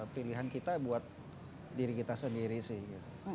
pilihan kita buat diri kita sendiri sih gitu